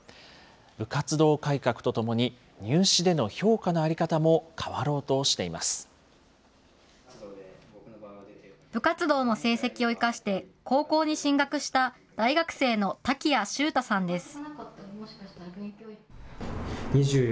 部活動改革とともに、入試での評価の在り方も変わろうとしていま部活動の成績を生かして高校に進学した、大学生の滝谷柊太さんです。